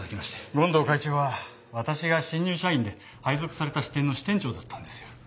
権藤会長は私が新入社員で配属された支店の支店長だったんですよ。